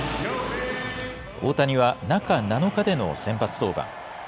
大谷は中７日での先発登板。